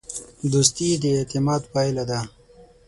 دوستي د اعتماد پایله ده.